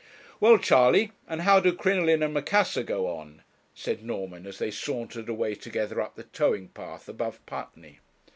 'Well, Charley, and how do 'Crinoline and Macassar' go on?' said Norman, as they sauntered away together up the towing path above Putney.